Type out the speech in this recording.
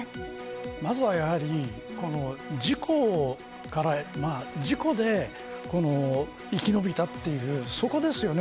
まずはやはり事故で生き延びたというそこですよね。